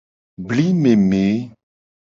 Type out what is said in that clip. Bli meme.